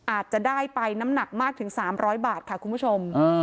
อาจจะได้ไปน้ำหนักมากถึง๓๐๐บาทค่ะคุณผู้ชม